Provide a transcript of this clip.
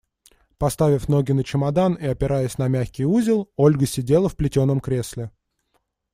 Поставив ноги на чемодан и опираясь на мягкий узел, Ольга сидела в плетеном кресле.